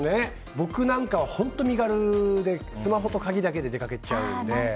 僕なんかは本当に身軽でスマホと鍵だけで出かけちゃうので。